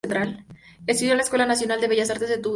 Estudió en la Escuela Nacional de Bellas Artes de Tetuán.